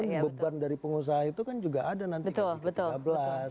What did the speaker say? dan kewajiban dari pengusaha itu kan juga ada nanti ke tiga ke tiga belas